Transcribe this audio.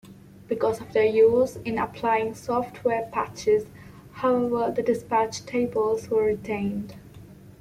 Because of their use in applying software patches, however, the dispatch tables were retained.